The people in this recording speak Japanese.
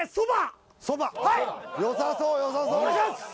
そうよさそうお願いします！